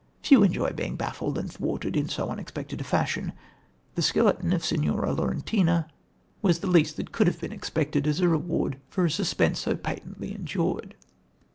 Few enjoy being baffled and thwarted in so unexpected a fashion. The skeleton of Signora Laurentina was the least that could be expected as a reward for suspense so patiently endured.